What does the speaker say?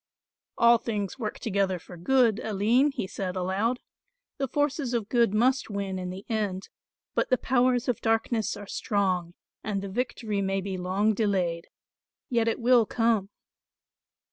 "All things work together for good, Aline," he said aloud, "the forces of good must win in the end, but the powers of darkness are strong and the victory may be long delayed; yet it will come."